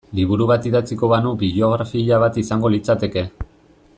Liburu bat idatziko banu biografia bat izango litzateke.